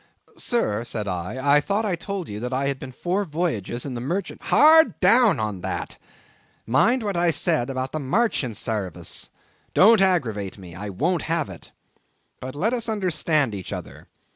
"Sir," said I, "I thought I told you that I had been four voyages in the merchant—" "Hard down out of that! Mind what I said about the marchant service—don't aggravate me—I won't have it. But let us understand each other.